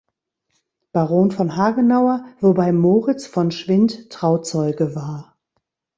Baron von Hagenauer, wobei Moritz von Schwind Trauzeuge war.